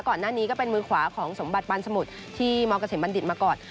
ก่อนหน้านี้ก็เป็นมือขวาของสมบัติปานสมุทรที่มเกษมบัณฑิตมาก่อน